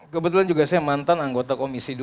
kebetulan juga saya mantan anggota komisi dua